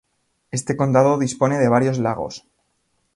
Este condado dispone de varios lagos.